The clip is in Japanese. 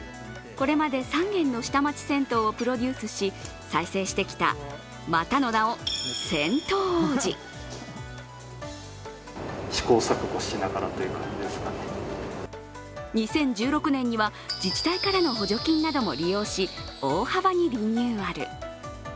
これまで３軒の下町銭湯をプロデュースし、再生してきた、またの名を銭湯王子２０１６年には、自治体からの補助金なども利用し大幅にリニューアル。